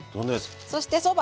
そしてそば。